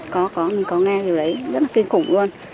có mình có nghe điều đấy rất là kinh khủng luôn